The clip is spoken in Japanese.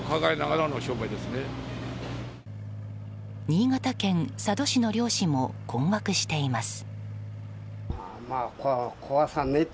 新潟県佐渡市の漁師も困惑しています。